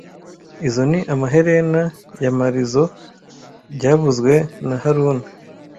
Izo ni amaherena ya Marizoa byavuzwe na haruna